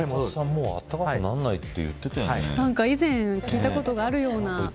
もうあったかくならないって以前聞いたことがあるような。